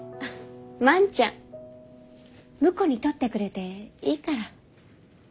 万ちゃん婿に取ってくれていいから。